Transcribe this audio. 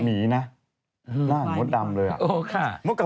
หมีนะหน้านมดดำเลยอะโอ้ค่ะ